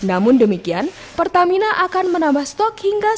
namun demikian perusahaan yang diperlukan untuk mengurangi stoknya sudah dikurangi